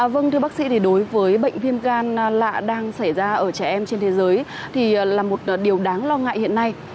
vâng thưa bác sĩ thì đối với bệnh viêm gan lạ đang xảy ra ở trẻ em trên thế giới thì là một điều đáng lo ngại hiện nay